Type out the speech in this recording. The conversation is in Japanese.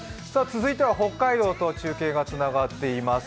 続いては北海道と中継がつながっています。